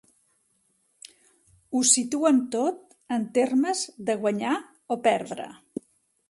Ho situen tot en termes de guanyar o perdre.